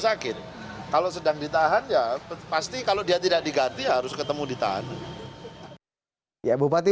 sakit kalau sedang ditahan ya pasti kalau dia tidak diganti harus ketemu ditahan ya bupati